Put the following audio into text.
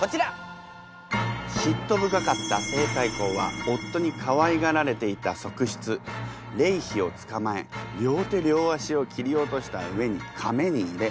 「しっと深かった西太后は夫にかわいがられていた側室麗妃をつかまえ両手両足を切り落とした上に」